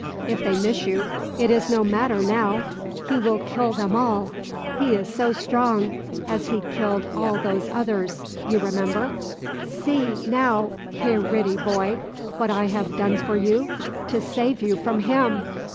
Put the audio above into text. "If they miss you, it is no matter now. He will kill them all, he is so strong ... as he killed all those others ... you remember? See, now, pe ritty boy, what I have done for you, to save you from him!